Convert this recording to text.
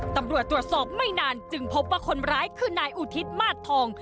ตำรวจตรวจสอบไม่นานจึงพบว่าคนร้ายคือนายอุทิศมาสทอง